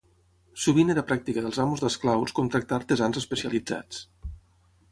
Sovint era pràctica dels amos d'esclaus contractar artesans especialitzats.